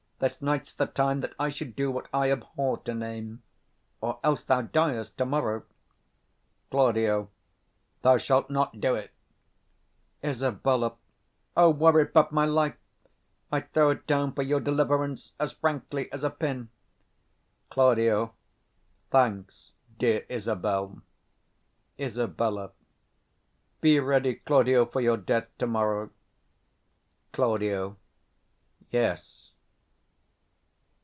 This night's the time That I should do what I abhor to name, Or else thou diest to morrow. Claud. Thou shalt not do't. 100 Isab. O, were it but my life, I'ld throw it down for your deliverance As frankly as a pin. Claud. Thanks, dear Isabel. Isab. Be ready, Claudio, for your death to morrow. Claud. Yes.